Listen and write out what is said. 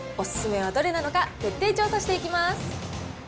お勧めはどれなのか、徹底調査していきます。